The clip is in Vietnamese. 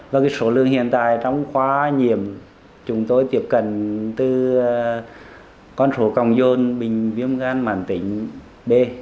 và cái số lượng hiện tại trong khóa nhiễm chúng tôi tiếp cận từ con số còng dôn bình viêm gan mạng tính b